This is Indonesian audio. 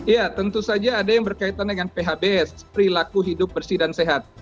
ya tentu saja ada yang berkaitan dengan phbs perilaku hidup bersih dan sehat